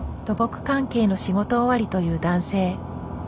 土木関係の仕事終わりという男性。